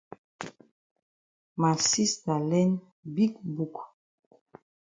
Ma sista learn big book.